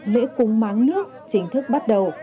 lễ cúng máng nước chính thức bắt đầu